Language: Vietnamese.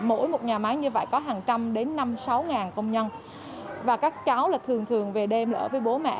mỗi một nhà máy như vậy có hàng trăm đến năm sáu công nhân và các cháu là thường thường về đêm ở với bố mẹ